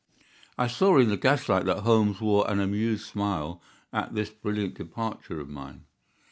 I saw in the gaslight that Holmes wore an amused smile at this brilliant departure of mine.